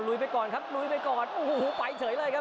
ไปก่อนครับลุยไปก่อนโอ้โหไปเฉยเลยครับ